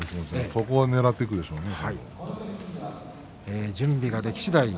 そこもねらってくるでしょうね。